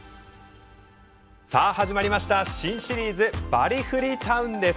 さあ始まりました新シリーズ「バリフリ・タウン」です。